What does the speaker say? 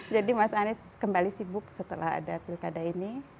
jadi mas anies kembali sibuk setelah ada pilkada ini